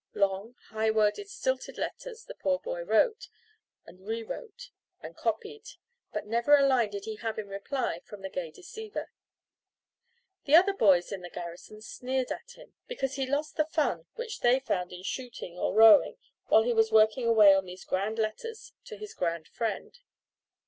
Long, high worded, stilted letters the poor boy wrote and rewrote and copied. But never a line did he have in reply from the gay deceiver. The other boys in the garrison sneered at him, because he lost the fun which they found in shooting or rowing while he was working away on these grand letters to his grand friend.